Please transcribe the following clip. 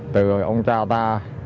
từ ông cha ta